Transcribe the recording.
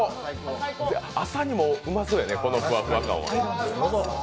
朝にもうまそうやねこのふわふわ感は。